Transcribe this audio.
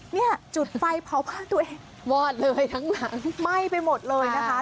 เนี่ยจุดไฟเผาบ้านตัวเองวอดเลยทั้งหลังไหม้ไปหมดเลยนะคะ